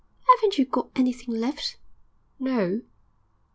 'Aven't you got anything left?' 'No!'